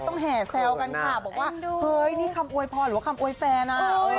แห่แซวกันค่ะบอกว่าเฮ้ยนี่คำอวยพรหรือว่าคำอวยแฟนอ่ะ